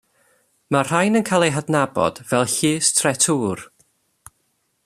Mae'r rhain yn cael eu hadnabod fel Llys Tretŵr.